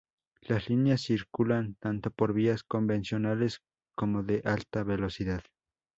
Las líneas circulan tanto por vías convencionales como de alta velocidad.